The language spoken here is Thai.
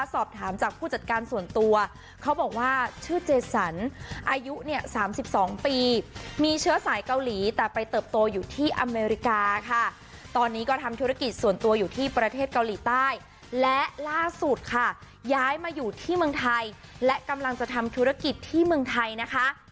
สอบถามจากผู้จัดการส่วนตัวเขาบอกว่าชื่อเจสันอายุเนี่ย๓๒ปีมีเชื้อสายเกาหลีแต่ไปเติบโตอยู่ที่อเมริกาค่ะตอนนี้ก็ทำธุรกิจส่วนตัวอยู่ที่ประเทศเกาหลีใต้และล่าสุดค่ะย้ายมาอยู่ที่เมืองไทยและกำลังจะทำธุรกิจที่เมืองไทยนะคะ